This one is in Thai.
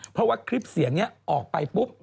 เพราะว่าคลิปเสียงนี้ออกไปปุ๊บ